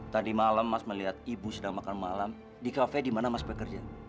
tadi malam mas melihat ibu sedang makan malam di kafe di mana mas bekerja